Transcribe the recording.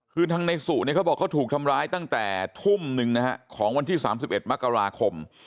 คือทางในสุเนี่ยเขาบอกเขาถูกทำร้ายตั้งแต่ทุ่มหนึ่งนะฮะของวันที่๓๑มกราคม